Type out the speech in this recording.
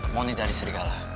money dari serigala